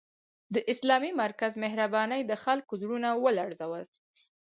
د اسلامي مرکز مهربانۍ د خلکو زړونه ولړزول